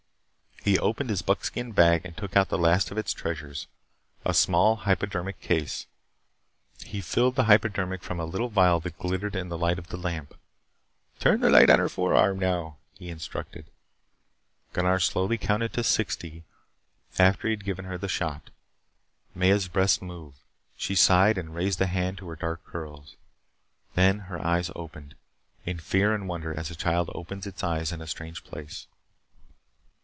He opened his buckskin bag and took out the last of its treasures a small hypodermic case. He filled the hypodermic from a little vial that glittered in the light of the lamp. "Turn the light upon her forearm, now," he instructed. Gunnar slowly counted to sixty after he had given her the shot. Maya's breasts moved. She sighed and raised a hand to her dark curls. Then her eyes opened in fear and wonder as a child opens its eyes in a strange place.